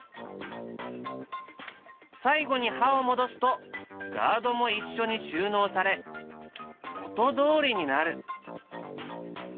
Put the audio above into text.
最後に刃を戻すとガードも一緒に収納され元どおりになる。